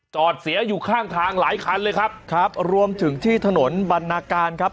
จอดเสียอยู่ข้างทางหลายคันเลยครับครับรวมถึงที่ถนนบรรณาการครับ